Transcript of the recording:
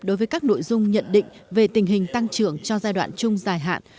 đối với các nội dung nhận định về tình hình tăng trưởng cho giai đoạn chung dài hạn